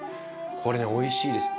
これねおいしいです。